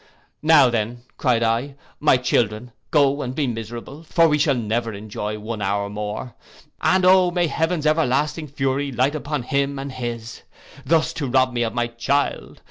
'—'Now then,' cried I, 'my children, go and be miserable; for we shall never enjoy one hour more. And O may heaven's everlasting fury light upon him and his! Thus to rob me of my child!